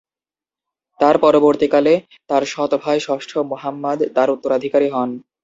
তার পরবর্তীকালে তার সৎ ভাই ষষ্ঠ মুহাম্মদ তার উত্তরাধিকারী হন।